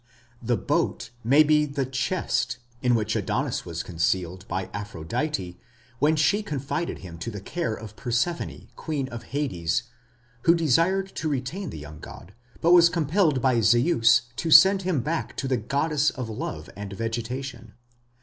The "boat" may be the "chest" in which Adonis was concealed by Aphrodite when she confided him to the care of Persephone, queen of Hades, who desired to retain the young god, but was compelled by Zeus to send him back to the goddess of love and vegetation.